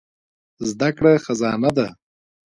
زده کړه خزانه ده.